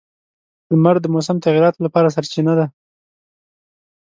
• لمر د موسم تغیراتو لپاره سرچینه ده.